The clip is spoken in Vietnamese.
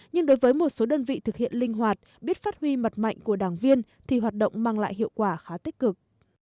nhưng đối với một số đơn vị thực hiện linh hoạt biết phát huy mặt mạnh của đảng viên thì hoạt động mang lại hiệu quả khá tích cực